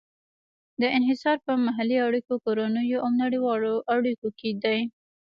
دا انحصار په محلي اړیکو، کورنیو او نړیوالو اړیکو کې دی.